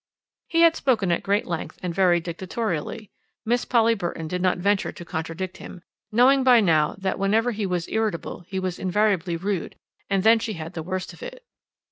He had spoken at great length and very dictatorially. Miss Polly Burton did not venture to contradict him, knowing by now that whenever he was irritable he was invariably rude, and she then had the worst of it.